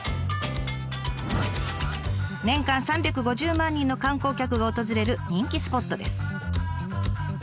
年間３５０万人の観光客が訪れる人気スポットです。